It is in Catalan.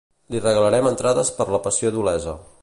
Li regalarem entrades per la Passió d'Olesa.